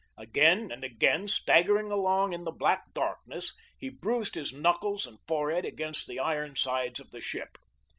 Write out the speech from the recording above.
Again and again, staggering along in the black darkness, he bruised his knuckles and forehead against the iron sides of the ship.